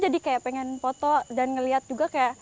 jadi saya pengen foto dan melihat juga kayak